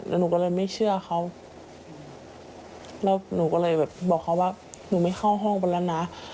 แล้วหนูก็เลยไม่เชื่อเขาแล้วหนูก็เลยแบบบอกเขาว่าหนูไม่เข้าห้องไปแล้วนะ